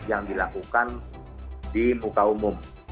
yang dilakukan di muka umum